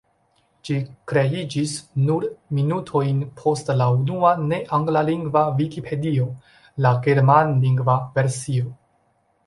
Ĝi kreiĝis nur minutojn post la unua ne-anglalingva vikipedio, la germanlingva versio.